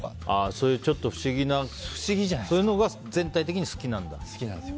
そういう不思議なそういうのが全体的に好きなんだ。